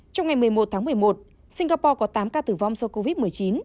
trong ngày một mươi một tháng một mươi một singapore có tám ca tử vong do covid